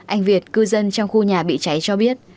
anh việt cư dân trong khu nhà bị cháy cho biết